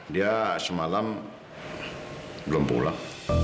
dia semalam belum pulang